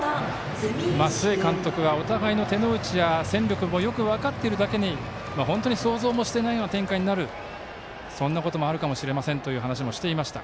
須江監督がお互いの手の内や戦力がよく分かっているだけに本当に想像もしていないような展開になるそんなこともあるかもしれませんという話はしていました。